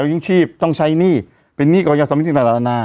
แล้วยิ่งชีพต้องใช้หนี้เป็นนี่ก็จะสำคมจริงจริงต่างต่างต่าง